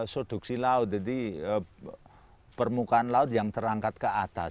soduksi laut jadi permukaan laut yang terangkat ke atas